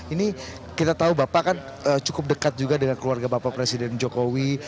ini kita tahu bapak kan cukup dekat juga dengan keluarga bapak presiden jokowi